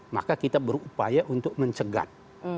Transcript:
maka kita berupaya untuk mencegah